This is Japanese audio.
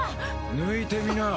抜いてみな。